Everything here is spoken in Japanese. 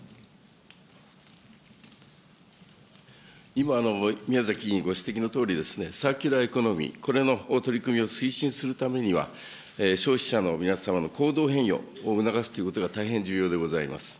今、宮崎議員ご指摘のとおり、サーキュラーエコノミーの取り組みを推進するためには、消費者の皆さんの行動変容を促すということが大変重要でございます。